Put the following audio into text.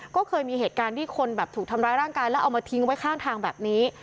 ก็เคยมีเหตุการณ์ที่คนแบบถูกทำร้ายร่างกายแล้วเอามาทิ้งไว้ข้างทางแบบนี้